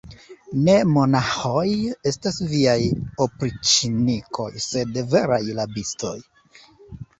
Ne monaĥoj estas viaj opriĉnikoj, sed veraj rabistoj.